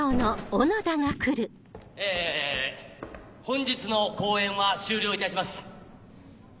・え本日の公演は終了いたします。